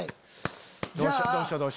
どうしよう？